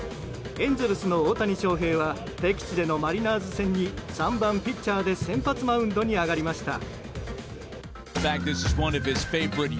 エンゼルスの大谷翔平は敵地でのマリナーズ戦に３番ピッチャーで先発マウンドに上がりました。